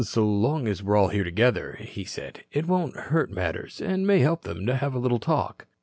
"So long as we are here altogether," he said, "it won't hurt matters, and may help them, to have a little talk."